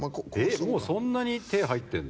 もうそんなに手入ってんの？